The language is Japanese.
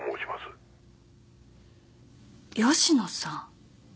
吉野さん？